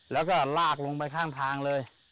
แล้วก็ลากลงไปข้างทางเลย